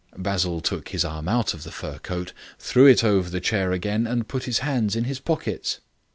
Basil took his arm out of the fur coat, threw it over the chair again, and put his hands in his pockets.